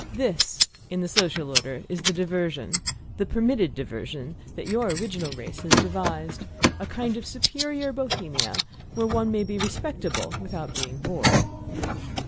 "This, in the social order, is the diversion, the permitted diversion, that your original race has devised: a kind of superior Bohemia, where one may be respectable without being bored."